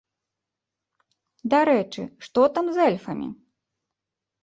Дарэчы, што там з эльфамі?